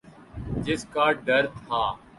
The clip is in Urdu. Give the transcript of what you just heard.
جس کا ڈر تھا۔